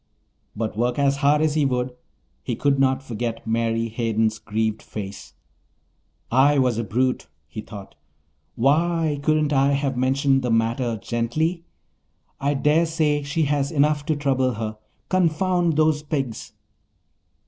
But work as hard as he would, he could not forget Mary Hayden's grieved face. "I was a brute!" he thought. "Why couldn't I have mentioned the matter gently? I daresay she has enough to trouble her. Confound those pigs!"